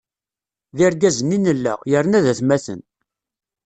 D irgazen i nella, yerna d atmaten.